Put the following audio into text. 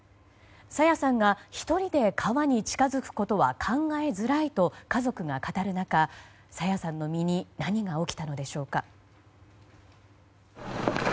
朝芽さんが１人で川に近づくことは考えづらいと家族が語る中朝芽さんの身に何が起きたのでしょうか。